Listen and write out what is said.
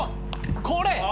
これ。